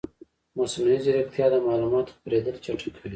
مصنوعي ځیرکتیا د معلوماتو خپرېدل چټکوي.